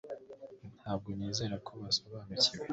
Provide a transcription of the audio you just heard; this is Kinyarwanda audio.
ntabwo nizera ko basobanukiwe